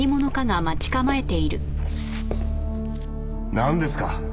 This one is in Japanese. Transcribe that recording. なんですか？